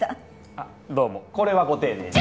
あっどうもこれはご丁寧に。